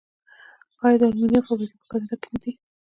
آیا د المونیم فابریکې په کاناډا کې نه دي؟